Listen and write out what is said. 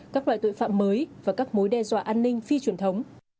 các loại tội phạm mới và các mối đe dọa an ninh phi truyền thống